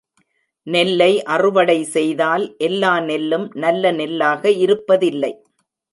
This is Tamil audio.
நெல்லை அறுவடை செய்தால் எல்லா நெல்லும் நல்ல நெல்லாக இருப்பதில்லை.